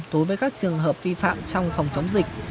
đối với các trường hợp vi phạm trong phòng chống dịch